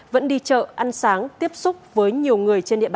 vẫn đi chợ ăn sáng tiếp xung